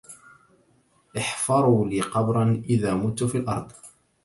احفروا لي قبرا إذا مت في الأرض